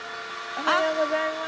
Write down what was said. おはようございます。